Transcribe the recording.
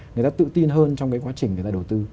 người ta tự tin hơn trong cái quá trình người ta đầu tư